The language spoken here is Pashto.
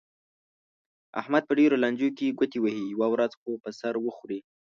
احمد په ډېرو لانجو کې ګوتې وهي، یوه ورځ خو به سر وخوري.